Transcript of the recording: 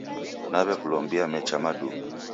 Naw'ekulombia mecha maduu.